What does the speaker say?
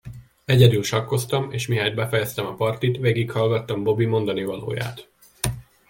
Egyedül sakkoztam, és mihelyt befejeztem a partit, végighallgattam Bobby mondanivalóját.